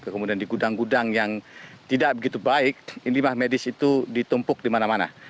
kemudian di gudang gudang yang tidak begitu baik limbah medis itu ditumpuk di mana mana